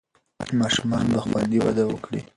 ماشومان به خوندي وده وکړي.